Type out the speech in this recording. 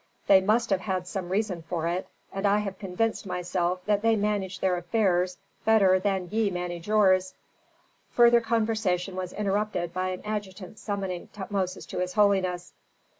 "They must have had some reason for it. And I have convinced myself that they manage their affairs better than ye manage yours." Further conversation was interrupted by an adjutant summoning Tutmosis to his holiness.